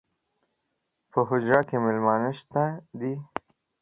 پۀ حجره کې میلمانۀ شته دي